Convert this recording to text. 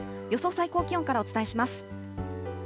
最高気温からお伝えします。